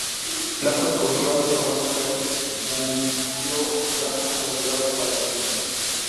Flaco escogió a su hermano Cayo Fulvio Flaco como legado para el asedio.